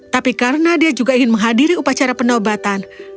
tapi karena dia juga ingin menghadiri upacara penobatan